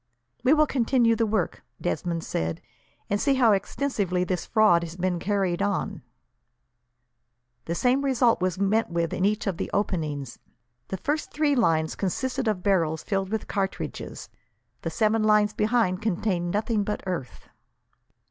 "We will continue the work," Desmond said, "and see how extensively this fraud has been carried on." The same result was met with in each of the openings. The first three lines consisted of barrels filled with cartridges; the seven lines behind contained nothing but earth.